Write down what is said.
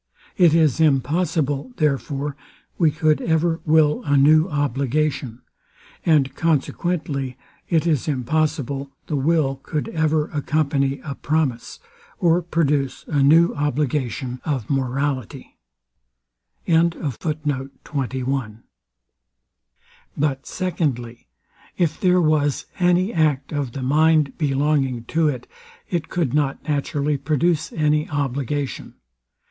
It is impossible, therefore, we cou'd ever will a new obligation; and consequently it is impossible the will cou'd ever accompany a promise, or produce a new obligation of morality. But, secondly, if there was any act of the mind belonging to it, it could not naturally produce any obligation.